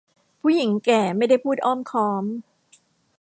ผู้หญิงแก่ไม่ได้พูดอ้อมค้อม